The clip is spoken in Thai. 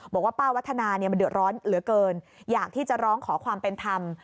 บอกว่าป้าวัฒนาเนี่ยมันเดือดร้อนเหลือเกินอยากที่จะร้องขอความเป็นธรรม